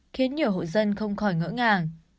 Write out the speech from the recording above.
khiến nhiều hội dân không khỏi ngỡ ngàng